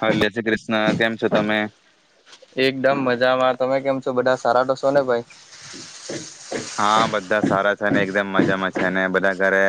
હલે શ્રી કૃષ્ણ કેમ છો તમે એકદમ મજામાં તમે કેમ છો બધા સારા તોશો ને ભાઈ હા બધા સારા છે ને એકદમ મજા જામાં છે ને બધા ઘરે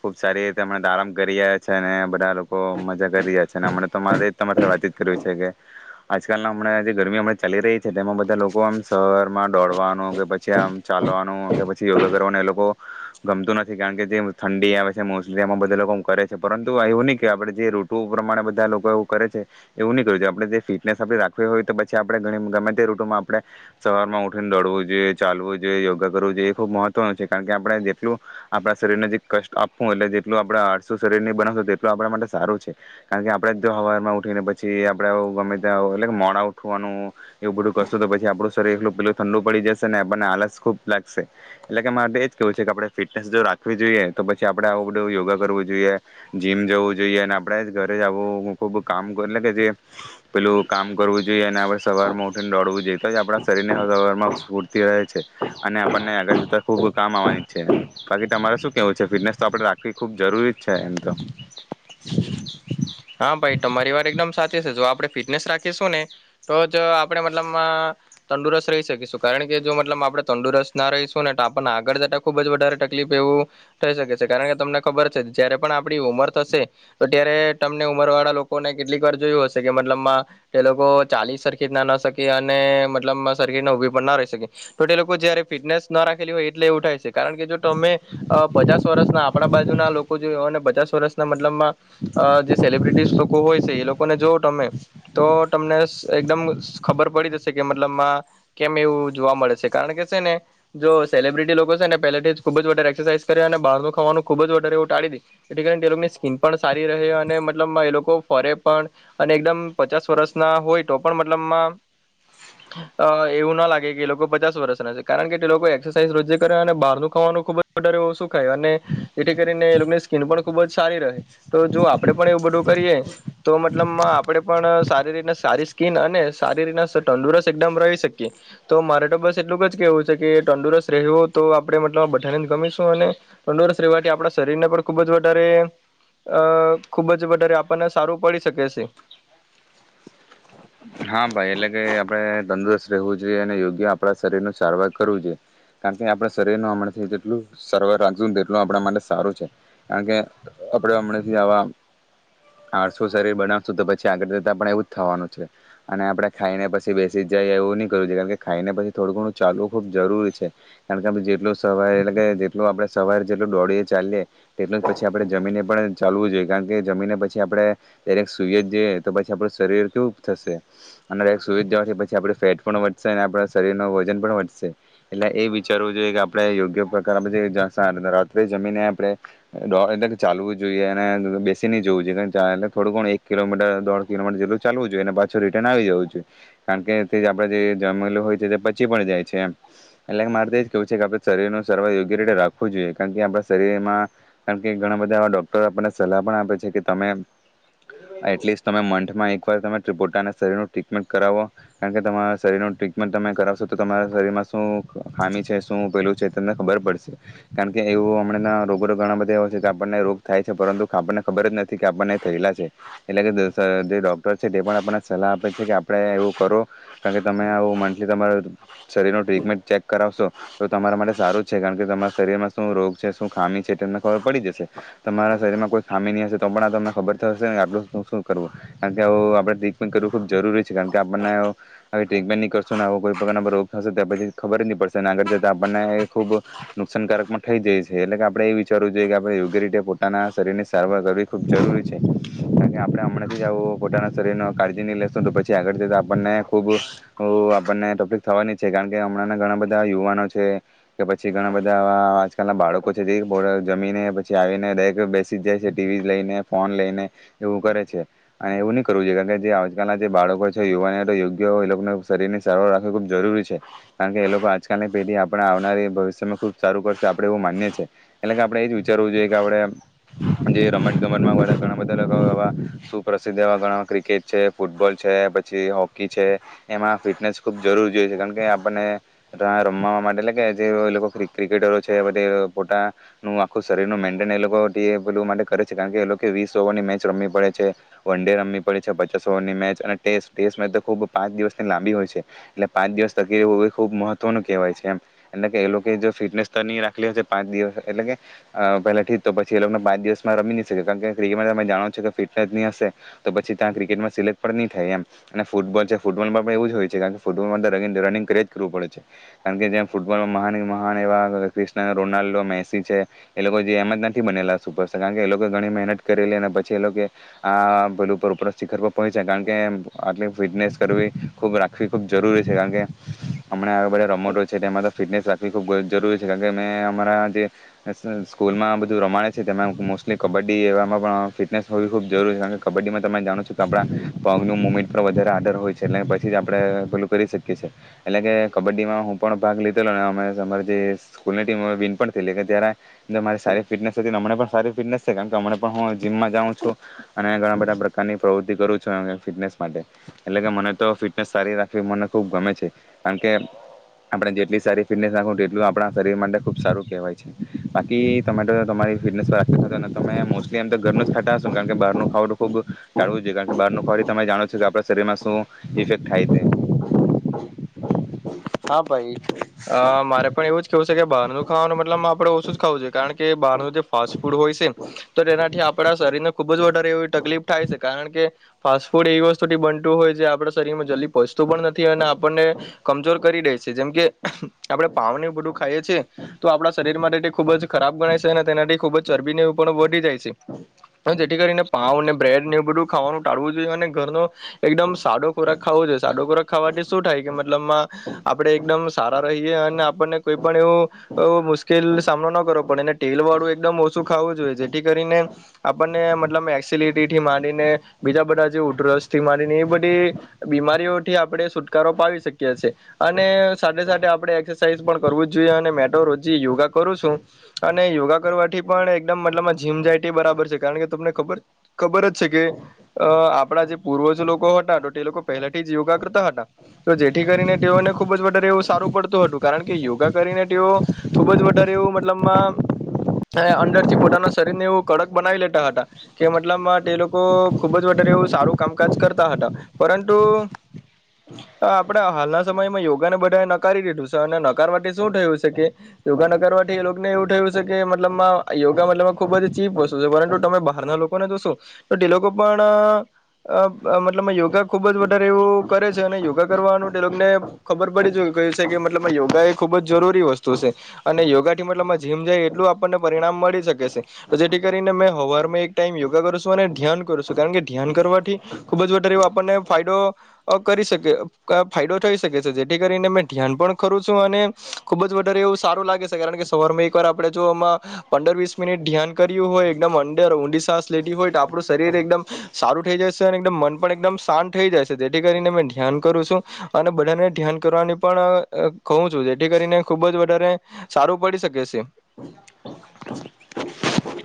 ખુબ સારી રીતે હમણા આરામ કરી રહ્યા છેને બધા લોકો મજા કરી રહ્યા છેનેમ તો મારે તમારે સાથે વાતચીત કરવી છે કે આજકાલના હમણાં જે ગરમીમણા ચાલી રહી છે તે એમાં બધા લોકો આમ શરમાં દોડવાનું કે પછી આમ ચાલવાનું કે પછી યોગા કરવાનું એ લોકો ગમતું નથી કારણ કે જે ઠંડી આવે છે મોસ્ટલી એમાં બધા લોકો કરે છે પરંતુ એવું નહી કે આપડે જે ઋતુ પ્રમાણે બધા લોકો એવું કરે છે એવું નહીં કરવું આપડે જે ફિટનેસ આપ રાખવી હોય તો પછી આપણેે ગમે તે ઋતુમાં આપણે સવારમાં ઉઠીને દોડવું જોઈએ ચાલવું જો યોગા કરવું જોઈએ એ ખુબ મહત્વનું છે કારણ કે આપણે જેટલું આપણા શરીરને જે કષ્ટ આપવું એટલે જેટલું આપડ આળસું શરીર ની બનાવશું તેટલું આપણા માટે સારું છે કારણ કે આપણેે જો હવામાં ઉઠીને પછી આપણે ગમે ત્યાં એટલે મોડા ઉઠવાનું એવું બધું કરશું તો પછી આપડું શરીર એટલું પેલું ઠંડુ પડી જશે ને આપણને આલસ- ખૂબ લાગશે એટલે કે માટેરે એજ કેવું છે કે આપણે ફિટનેસ જો રાખવી જોઈએ તો પછી આપડે આવું બધું યોગા કરવું જોઈએ જીમ જવું જોઈએ અને આપણેે જ ઘરે જ આવું ખુબ કામ એટલે કે જે પેલું કામ કરવું જોઈએ અને આપણે સવાર માં ઉઠીને દોડવું જોઈએ તો આપણા શરીર ને સવારમાં સ્ફૂર્તિ રહે છે અને આપણને આગળ જતા ખૂબ કામ આવવાની છે બાકી તમારે શું કેવું છે ફિટનેસ તો આપણે રાખવી ખૂબ જરૂરી જ છે એમ તો હા ભાઈ તમારી વાર એકદમ સાચી છે જો આપણે ફિટનેસ રાખીશું ને તો જ આપણે મતલબ અ તંદુરસ્ત રહી શકીશું કારણ કે જો મતલબ આપણે તંદુરસ્ત ના રહીશું ને તો આપણને આગળ જતા ખુબ જ વધારે તકલીફ એવું રહી શકે છે કારણ કે તમને ખબર છે જયારે પણ આપણી ઉમર થશે તો ત્યારે તમને ઉમર વાળા લોકોને કેટલીક વાર જોયું હશે કે મતલબમાં તે લોકો ચાલીસ સરખીટ ના ના શકે અને મતલબ સરખીટ ઉભી પણ ના રહી શકે તો તે લોકો જયારે ફિટનેસ ના રાખેલી હોય એટલે એવું થાય છે કારણ કે જો તમે પચાસ વર્ષના આપડા બાજુ ના લોકો જોય હો અને પચાસ વર્ષના માં જે સેલબ્રિટી લોકો હોય છે એ લોકોને જો તમે તો તમને એકદમ ખબર પડી જશે કે મતલબ માં કેમ એવું જોવા મળે છે કારણ કે છે ને જો સેલિબ્રિટી લોકો છે ને પહેલાથી જ ખૂબ જ વારે એક્સરસાઇઝ કરે અને બહારનું ખાવાનું ખૂબ જ વારે એવું ટાળી દે એથી કરીને તે લોકોની સ્કીિન પણ સારી રહે અને એ લોકો ફરે પણ અને એકદમ પચાસ વર્ષ ના હોય તો પણ મતલબમાં એવું ના લાગે કે એ લોકો પચાસ વર્ષના છે કારણ કે તે લોકો એક્સરસાઇઝ રોજે કરે અને બહારનું ખાવાનું ખુબ જ વધારે ઓછું ખાય અને જેથી કરીને એ લોકોની સ્કીિન પણ ખુબ જ સારી રહે તો જો આપડે પણ એવું બધું કરીએ તો મતલબ માઆપણે પણ સારી રીતના સારી સ્કીન અને સારી રીતના તંદુરસ્ત એકદમ રહી શકીએ તો મારે તો બસ એટલુંક જ કેહેવું છે કે તંદુરસ્ત રહેવું તો આપણે મતલબ બધાને જ ગમીશું અને તંદુરસ્ત રહેવાથી આપણા શરીરને પણ ખૂબ જ વધારે અ ખુબ જ વધારે આપણને સારું પડી શકે છે હા ભાઈ એટલે કે આપણે તંદુરસ્ત રહેવું જોઈએ અને યોગ્ય આપણા શરીર ન સારવાર કરવું જોઈએ કારણ કે આપણા શરીરનું હમણાંથી જેટલું સારવાર રાખશું ને તેટલું આપણા માટે સારું છે કારણ કે આપણે હમણાં આવા આરસું શરીર બનાવશું તો પછી આગળ જતા આપ એવું જ થવાનું છે અને આપડે ખાઈને પછી બેસી જાય એવું નહી કરવ જોઈએ કારણ ખાઈને પછી થોડું ઘણું ચાલવું ખુબ જરૂરી છે કારણ કે જેટલું સવારે એટલે કે જેટલું આપડણે સવારે જેટલું દોડીએ ચાલીએ તેટલું જ પછી આપણે જમીનને પણ ચાલવું જોઈએ કારણ કે જમીને પછી આપડે દરેક સુઈએ જ જઈએ તો પછી આપડું શરીર કેવું થશે અને સુવિધા જવાથી પછી આપ ફેટ પણ વધશે અને આપ શરીર ન વજન પણ વધશે એટલે એ વિચારવું જોઈએ કે આપણેે યોગ્ય પ્રકાર પછી રાત્રે જમીને આપણે એટલે ચાલવું જોઈએ અને બેસી ન જોવું જોઈએ એલે થોડું એક કિલોમીટર દોઢ કિલોમીટર જેટલું ચાલવું જોઈએ પાછું રિટર્ન આવી જવું જોઈએ કારણ કે તે આપે જે જમેલું હોય છે તે પચી પણ જાય છે એટલે મારેજ કેવું છે કે આપ શરીર ન સારવાર યોગ્ય રીતે રાખવું જોઈએ કારણ કે આપણા શરીરમાં કારણ કે ઘણા બધા ડોક્ટર આપણને સલાહ પણ આપે છે કે તમે એટલીસ્ટ તમે મન માં એક વાર તમે પોતાના શરીરનું ટ્રીટમેન્ટ કરાવો કારણ કે તમારા શરીરનું ટ્રીટમેન્ટ તમે કરાવશો તો તમારા શરીરમાં શું ખામી છે શું પેલું છે તમને ખબર પડશે કારણ કે એવું હમણાં રોગો તો ઘણા બધા એવા છે કે આપણને રોગ થાય છે પરંતુ આપણને ખબર જ નથી કે આપણને થયેલા છે એટલે કે જે ડૉક્ટર છે તે પણ આપણને સલાહ આપે છે કે આપણે એવું કરો કારણ કે તમે આવું મંથલી તમારા શરીરનો ટ્રીટમેન્ટ ચેક કરાવશો તો તમારા માટે સારું જ છે કારણ કે તમારા શરીરમાં શું રોગ છે શું ખામી છે તમને ખબર પડી જશે તમારા શરીરમાં કોઈ ખામી નહીં હશે તો પણ આ તમને ખબર થશે ને આટલું શું કરવું કારણ કે એવું આપણે ટ્રીટમેન્ટ કરવું ખૂબ જરૂરી છે કારણ કે આપણને હવે ટ્રીટમેન્ટ નહીં કરશું ને આવો કોઈ પ્રકારના રોગ થશે ત પછી ખબર જ નહીં પડશે અનેને આગળ જતા આપણને એ ખૂબ નુકસાનકારક પણ થઈ જાય છે એટલે કે આપણે એ વિચારવું જોઈએ કે આપણે યોગ્ય રીતે પોતાના શરીરની સારવાર કરવી ખૂબ જરૂરી છે કારણ કે આપણે હમણાં જ આવો પોતાના શરીરો કાળજી ની લેશો તો પછી આગળ જતાં આપણને ખૂબ આપણને ટોપિક થવાની છે કારણ કે હમણાંના ઘણા બધા યુવાનો છે કે પછી ઘણા બધા આજકાલ ના બાળકો છે જે જમીને પછી આવીને દરેક બેસી જ જાય છે ટીવી લઈને ફોન લઈને એવું કરે છે અને એવું નહીંવું જોઈએ કારણ કે જે આજકાલના જે બાળકો છે યુવાને તો યોગ્ય એ લોકોને શરીર ને સારવાર રાખવી ખૂબ જરૂરી છે કારણ કે એ લોકો આજકાલની પેઢી આપણે આવનારી ભવિષ્યમાં ખૂબ સારું કરશે આપણે એવું માનીએ છે એટલે કે આપણેે એ જ વિચારવું જોઈએ કે આપણે જે રમત ગમતમાં ઘણા બધા પ્રસિદ્ધ એવા ગણા ક્રિકેટ છે ફૂટબોલ છે પછી હોકી છે એમાં ફિટનેસ ખુબ જરૂર જો છે કારણ કે આપણને રમવા માટે એટલે કે જે ક્રિકેટરો છેધ પોતાનું આખું શરીરનું મેન્ટેન એ લોકો બું કરે છે કારણ કે એ લોકો વીસ ઓવરની મેચ રમવી પડે છે વન ડે રમવી પડ છે પચાસ ઓવરની મેચ અને ટે ટેસ્ટ મે તો ખુબ પાંચ દિવસની લાંબી હોય છે એટલે પાંચ દિવસ તકે એવું ખુબ મહત્વનું કહેવાય છે એમ એટલે કે એ લોકો જો ફિટનેસ નની રાખલી હશે પાંચ દિવસ એટલે કે પહેલા ઠી તો પછી એ લોકોને પાંચ દિવસમાં રમી નહી શકે કારણ કે ક્રિકેટમાં તમે જાણો છો કે ફિટનેસ નની હશે તો પછી ત્યાં કિકેટમાં સિલેક્ટ પણ નહી થાય એમ અને ફૂટબોલ છે ફૂટબોલમાં પણ એવું જ હોય છે કાર કે ફૂટબોલમાં રનિંગ કરે જ કરવું પડે છે કારણ કે જેમ ફૂટબોલમાં મહાન મહાન એવા ક્રિ રોનાલ્ડો મેસી છે એ લોકો જે એમ જ નથી બનેલા સુપર કારણ કે એ લોકો ઘણી મહેનત કરેલી અને પછી એ લોકો આ પેલી ઉપર ઉપરસ્થિખર પર પહોંચાય કારણ કે આટલી ફિટનેસ કરવી ખૂબ રાખવી ખૂબ જરૂરી છે કારણ કે હમણા આ બધા રમતો છે તે એમાં ફિટનેસ રાખવી ખૂબ જરૂરી છે કારણ કે મેં અમારા જે સ્કૂલમાં બધું રમાડે છે તેમા મોસ્ત એટલે કબડ્ડી એવામાં પણ ફિટનેસ હોવી ખૂબ જરૂરી છે કબ્ડી તમે જાણો છો કે આપડા પગનું મુમેન્ટ આપો વધારે આદર હોય છે એટલે પછી જ આપણે ભેલું કરી શકીએ છીએ એટલે કે કબડ્ડીમાં હું પણ ભાગ લીધેલો અને અમે અમારી જે સ્કૂલની ટીમો વિન પણ થયલી કે જ્યારે અરી સારી ફિટનેસ થતી ને અમનેં પણ સારી ફિટનેસ છે કારણ કે અમં પણ હું જીમમાં જાઉ છું ઘણા બધા પ્રકારની પ્રવૃત્તિ કરું છું ફિટનેસ માટે એટલે કે મને તો ફિટનેસ સારી રાખવી મને ખૂબ ગમે છે કારણ કે આપણે જેટલી સારી ફિટનેસ રાખું તેટલું આપણા શરીર માટે ખૂબ સારું કહેવાય છે બાકી તમે તો તમારી ફિટનેસ રાખને તમે કે મતો ઘર નુજ ખાતા કારણ કે ખાવાનુ ખુબ ટાળવું જોઈએ કારણ કે બારનુ ફરી તમે જાણો છો કે આપણા શરીરમાં શું ઇફેક્ટ થાય છે હા ભાઈ મારે પણ એવું જ કેવું છે કે બહારનું ખાવાનો મતલબ આપડે ઓછું જ ખાવું છે કારણ કે બહારનું જે ફાસ્ટ ફૂડ હોય છે તો તેનાથી આપડા શરીર ને ખુબ જ વધારે એવી તકલીફ થાય છે કારણ કે ફાસ્ટ ફૂડ એવી વસ્તુથી બનતું હોય જે આપડા શરીર માં જલ્દી પચતું પણ નથી અને આપણને કમજોર કરી દે છે જેમ કે આપડણે પાાવ ને બધું ખાઈએ છીએ તો આપડા શરીર માટે ખુબ જ ખરાબ ગણાય છે અને તેનાથી ખુબ જ ચરબી ને એવ પણ વધી જાય છે પણ જેથી કરીને પાાવ અને બ્રેડ ને એ બધું ખાવાનું ટાળવું જોઈએ અને ઘરનો એકદમ સાદો ખોરાક ખાવો જોઈએ સાદો ખોરાક ખાવાથી શું થાય કે મતલબમાં આપડે એકદમ સારા રહીએ અને આપણને કોઈ પણ એવું મુશ્કેલ સામનો ન કરવો પડે અને તેલ વાળું એકદમ ઓછું ખાવું જોઈએ જેથી કરીને આપણને મતલબ એસિલીટી થી માંરીને બીજા બધા જે ઉધરસ થી મામાંરીને એ બધી બીમારીઓથી આપણે છુટકારો પાાવી શકીએ છીએ અને સાથે સાથે આપણે એક્સરસાઇઝ પણ કરવુ જ જોઈએ અને મેટો રોજી યોગા કરું છું અને યોગા કરવાથી પણ એકદમ મતલબમાં જીમ જાય તે બરાબર છે કારણ કે તમને ખબર ખબર જ છે કે અ આપણા જે પૂર્વજ લોકો હતા તે લોકો પહેલાથી જ યોગા કરતા હતા તો જેથી કરીને તે ઓને ખુબ જ વધારે એવું સારું પડતું હતું કારણ કે યોગા કરીને તેઓ ખુબ જ વધારે એવું મતલબમાં અંદર થી પોતાના શરીર ને એવું કડક બનાવી લેતા હતા કે મતલબમાં તે લોકો ખુબ જ વધારે એવું સારું કામકાજ કરતા હતા પરંતુ આપડા હાલના સમયમાં યોગાને બધા નકારી દીધું છે અને નકારવાથી શું થયું છે કે યોગા નકારથી એ લોકોને એવું થયું છે કે મતલબમાં યોગા મતલબ ખુબ જ ચીપ વસ્તુ છે પરંતુ તમે બહારના લોકોને તો શો તો તે લોકો પણ મતલબ યોગા ખુબ જ વધારે એવું કરે છે અને યોગા કરવાનું તે લોકોને ખબર પડી જો કઇ છે કે મતલબ યોગા એ ખુબ જ જરૂરી વસ્તુ છે અને યોગા થી મતલબ જીમ જાય એટલું આપણને પરિણામ મળી શકે છે, જેથી કરીને મે હવારમાં એક ટાઈમ યોગા કરું છું અને ધ્યાન કરું છું, કારણ કે ધ્યાન કરવાથી ખુબ જ વધારે એવો આપણને ફાયદો અ કરી શકે અ ફાયદો થઈ શકે છે જે થી કરીને મેં ધ્યાન પણ કરું છું અને ખુબ જ વધારે એવું સારું લાગે છે કારણ કે સવારમાં એકવાર આપેડે જો આમાં પંદર વીસ મિનિટ ધ્યાન કર્યું હોય એકદમ અંદર ઊંડી સાસ લેતી હોય તો આપણું શરીર એકદમ સારું થઈ જ છે મન પણ એકદમ શાંત થઈ જાય છે જેથી કરીને ધ્યાન કરું છું. અને બધાને ધ્યાન કરવાની પણ કઉ છું, જેથી કરીને ખુબ જ વધારે સારું પડી સકે છે.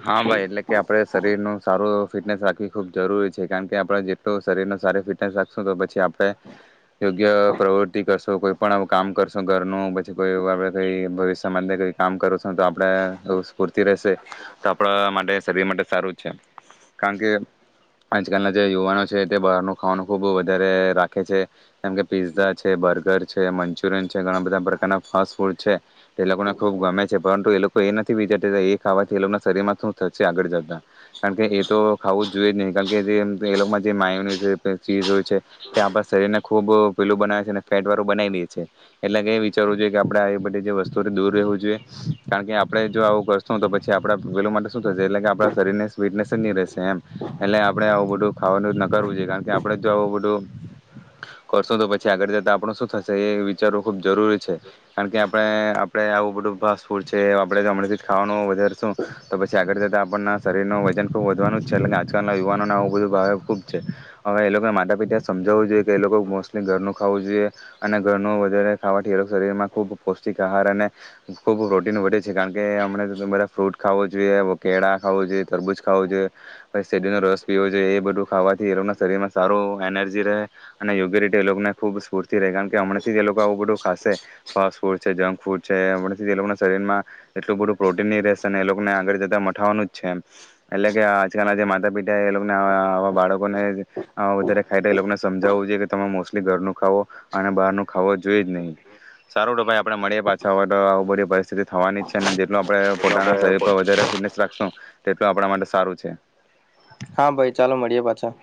હા ભાઈ એટલે કે આપડે શરીર ન સારું ફિટનેસ રાખવી ખુબ જરૂરી છે કારણ કે આપડે જેટલું શરીર ન સારી ફિટનેસ રાખશું તો પછી આપ ડે યો ગ્ય પ્રવૃતિ કરશો, કોઈ પણ કામ કરશો ઘરનું પછી કોઈ એવું આપડે કઈ ભવિષ્યમાં કઈ કામ કર છું તો આપણેે સ્ફૂર્તિ રે તો આપડા માટે શરીર માટે સારું છે, કારણ કે આજકાલના જે યુવાનો છે તે બહારનું ખાવાનું ખુબ વધારે રાખે છે જેમ કે પીઝઝા છે, બર્ગર છે, મંચુરિયન છે ઘણા બધા પ્રકારના ફાસ્ટ ફૂડ છે. તે લોકો ને ખુબ ગમે છે પરંતુ એ લો કો એ નથી વિચારતા તા એ ખાવાથી એ લોકના શરીરમાં શું થશે આગળ જતા? કારણ કે એ તો ખાવું જ જોઈએ જ નહી, કારણ કે જે એ લોકોમાં જે માયોની છે ચીઝ હોય છે તે આપણા શરીર ને ખુબ પેલું બનાવે છે ફેટ વાળું બનાઈ દે છે, એટલે કે વિચારવું જોઈએ કે આપડે આ બધી જે વસ્તુઓથી દૂર રહેવું જોઈએ, કારણ કે આપડે જો આવું વસ્ સુ તો પછી આપણા વેલું માટે શું થશે એટલે કે આપણા શરીર ને સ્વીટનેસ જ ની રેશે એમ એટલે આપડે આવું બધું ખાવાનું નકારવું જોઈએ, કારણ કે આપણેે જો આવું બધું કરશું તો પછી આગળ જતા આપડ શું થશે એ વિચારવું ખુબ જરૂરી છે, કારણ કે આપડે આપડે આવું બધું ભાસ્ટ ફૂડ છે, એવું આપડે ગમડે થી જ ખાવાનું વધારશું તો પછી આગળ જતાં આપણના શરીરનું વજન ખૂબ વધવાનું જ છે એટલે કે આજકાલના યુવાનોને આવું બધું ભાવ ખૂબ છે, હવે એ લોકોને માતા પિતાએ સમજાવવું જોઈએ કે એ લોકો મોસ્ટલી ઘરનું ખાવું જોઈએ અને ઘરનું વધારે ખાવાથી એ લોકો શરીરમાં ખૂબ પૌષ્ટિક આહાર અને ખૂબ પ્રોટીન વધે છે કાળ કે હમણાં તો તમે બધા ફ્રૂટ ખાવો જોઈએ, કેળા ખાવો જોઈએ, તરબૂજ ખાવું જોઈએ પછ શેરડીનો રસ પીવો જોઈએ એ બધું ખાવાથી એ લોકો શરીરમાં સારું એનર્જી રહે અને યોગી રિટી એ લોકોને ખુબ સ્ફૂર્તી રહે, કારણ કે હમણાં થી તે લોકો આવું બધું ખાશે, ફાસ્ટ ફૂડ છે, જંક ફૂડ છે હમથી તે લોકો ના શરીરમાં એટલું બધું પ્રોટીન ની રહેશે અને એ લોકોને આગળ જતા મઠાવાનું જ છે એમ એટલે કે આજકાલના જે માતા પિતા એ લોકોને આ આવા બાળકોને વધારે ખાયતા એ લોકોને સમજાવવું જોઈએ કે તમે મોસ્ટલી ઘરનું ખાવો અને બહારનું ખાવો જોઈ જ નહી. સારું રો ભાઈ આપણેે મળીએ પાછા, હવે તો આવું બધી પરિસ્થિતિ થવાની જ છે ને આપડે પોતાના શરીર પર વધારે ફિટનેસ રાખશું, તેટલુ આપણા માટે સારું છે. હા ભાઈ ચાલો મળીએ પાછા.